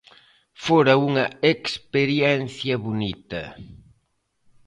Fora unha experiencia bonita.